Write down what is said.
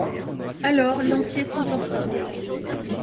Alors, Lantier s'emporta.